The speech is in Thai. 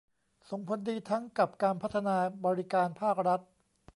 ส่งผลดีทั้งกับการพัฒนาบริการภาครัฐ